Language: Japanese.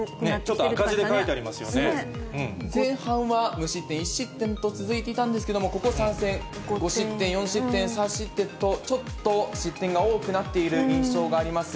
ちょっと赤字で書いてありま前半は無失点、１失点と続いていたんですけども、ここ３戦、５失点、４失点、３失点と、ちょっと失点が多くなっている印象があります。